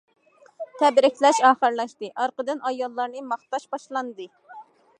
تەبرىكلەش ئاخىرلاشتى، ئارقىدىن ئاياللارنى ماختاش باشلاندى.